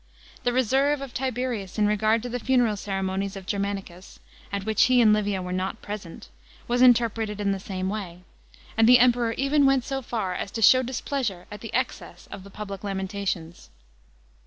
The reserve of Tiberius in regard to the funeral ceremonies of Germanicus, at which he and Livia were not present, was interpreted in the same way, and the Emperor even went so far as to show displeasure at the excess of the public lamentations.